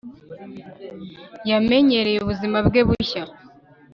yamenyereye ubuzima bwe bushya